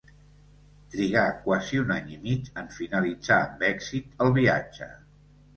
Trigà quasi un any i mig en finalitzar amb èxit el viatge.